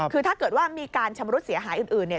คือถ้าเกิดว่ามีการชำรุดเสียหายอื่นเนี่ย